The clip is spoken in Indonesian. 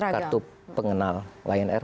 kartu pengenal lion air